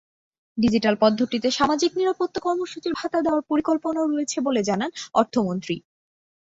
Digital পদ্ধতিতে সামাজিক নিরাপত্তা কর্মসূচির ভাতা দেওয়ার পরিকল্পনাও রয়েছে বলে জানান অর্থমন্ত্রী।